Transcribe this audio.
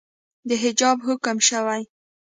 د حجاب حکم شوئ